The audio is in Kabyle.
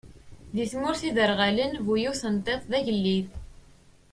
Di tmurt iderɣalen, bu-yiwet n tiṭ d agellid.